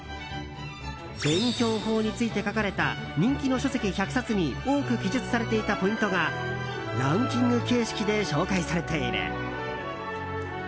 勉強法について書かれた人気の書籍１００冊に多く記述されていたポイントがランキング形式で紹介されている。